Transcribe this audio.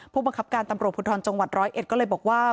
ผู้บังคับการตำรวจพุทธรณ์จังหวัด๑๐๑ก็เลยบอกว่า